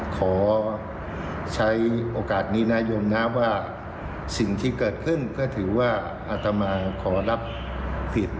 ขอใช้โอกาสนี้นะยมนะว่าสิ่งที่เกิดขึ้นก็ถือว่าอัตมาขอรับผิด